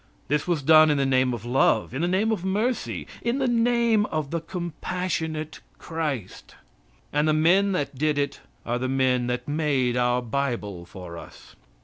This was done in the name of love, in the name of mercy, in the name of the compassionate Christ. And the men that did it are the men that made our Bible for us.